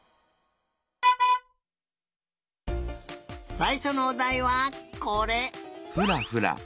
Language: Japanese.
さいしょのおだいはこれ！